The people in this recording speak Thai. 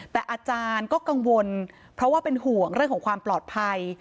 แต่อาจารย์ก็กังวลเพราะว่าเป็นห่วงเรื่องของความปลอดภัย